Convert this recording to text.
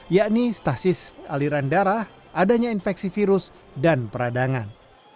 yakni stasis aliran darah adanya infeksi virus dan peradangan